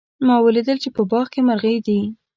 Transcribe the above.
ما ولیدل چې په باغ کې مرغۍ دي